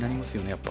やっぱ。